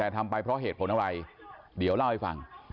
แต่ทำไปเพราะเหตุผลอะไรเดี๋ยวเล่าให้ฟัง